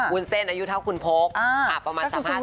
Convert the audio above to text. วุ้นเส้นอายุเท่าคุณโพกค่ะประมาณสามห้าสามหก